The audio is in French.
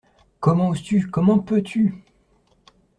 Comment oses-tu, comment peux-tu?